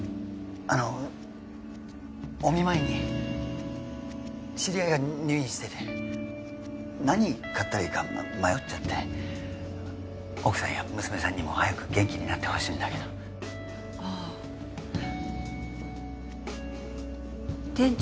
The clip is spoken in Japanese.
あのお見舞いに知り合いが入院してて何買ったらいいか迷っちゃって奥さんや娘さんにも早く元気になってほしいんだけどああ店長